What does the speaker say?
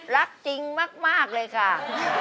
รักจริงมากเลยค่ะ